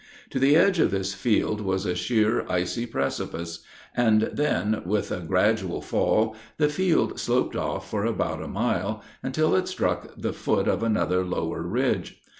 To the edge of this field was a sheer icy precipice; and then, with a gradual fall, the field sloped off for about a mile, until it struck the foot of another lower ridge.